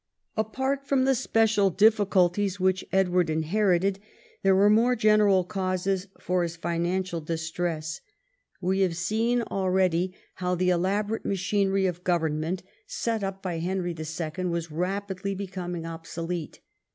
Apart from the sjiecial difficulties which Edward inherited, there were more general causes for his financial distress. AVe have seen already how the viii EDWARD AND THE THREE ESTATES 141 elaborate machinery of government set up by Henry II. was rapidly becoming obsolete.